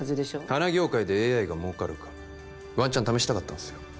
花業界でＡＩが儲かるかワンチャン試したかったんすよ